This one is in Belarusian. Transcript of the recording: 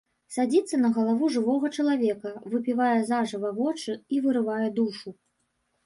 Садзіцца на галаву жывога чалавека, выпівае зажыва вочы і вырывае душу.